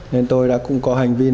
nên tôi đã cũng có hành vi